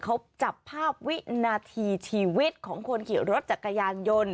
เขาจับภาพวินาทีชีวิตของคนขี่รถจักรยานยนต์